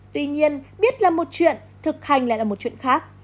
tuy nhiên biết là một chuyện thực hành lại là một chuyện khác